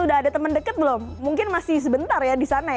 udah ada temen deket belum mungkin masih sebentar ya di sana ya